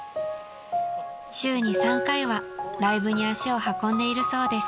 ［週に３回はライブに足を運んでいるそうです］